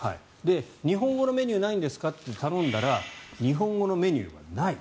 日本語のメニューないんですかと頼んだら日本語のメニューはない。